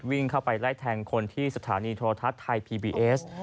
วิ่งเข้าไปไล่แทงคนที่สถานีโทรทัศน์ไทยพีบีเอส